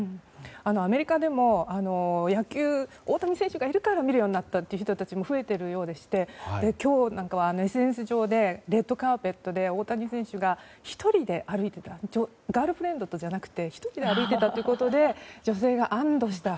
アメリカでも野球、大谷選手がいるから見るようになったという人たちも増えているようでして今日なんかはＳＮＳ上でレッドカーペットを大谷選手がガールフレンドとじゃなくて１人で歩いていたということで女性が安堵した。